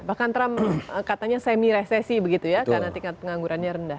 bahkan trump katanya semi resesi begitu ya karena tingkat penganggurannya rendah